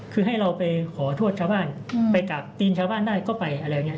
คือให้เราไปขอโทษชาวบ้านไปกลับตีนชาวบ้านได้ก็ไปอะไรอย่างนี้